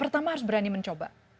pertama harus berani mencoba